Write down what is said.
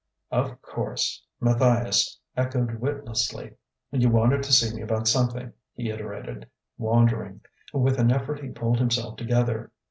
"Of course!" Matthias echoed witlessly. "You wanted to see me about something," he iterated, wandering. With an effort he pulled himself together.